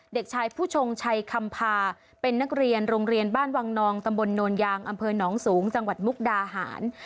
เด็กชายผู้ชงชัยคำพาเป็นนักเรียนโรงเรียนบ้านวังนองตำบลโนนยางอำเภอหนองสูงจังหวัดมุกดาหาร